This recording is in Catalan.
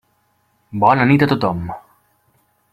Bona nit a tothom.